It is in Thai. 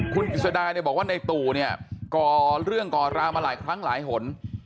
คุณกิศดายบอกว่าในตู่ก่อเรื่องก่อลามาหลายครั้งหลายหน